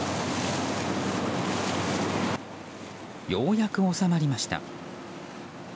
ようやく収まりました。